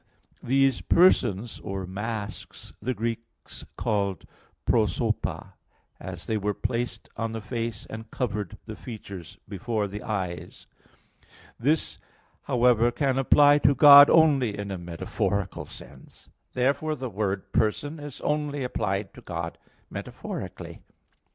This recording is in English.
These "persons" or masks the Greeks called prosopa, as they were placed on the face and covered the features before the eyes." This, however, can apply to God only in a metaphorical sense. Therefore the word "person" is only applied to God metaphorically.